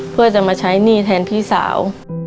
เพื่อจะมาใช้หนี้แทนพี่สาว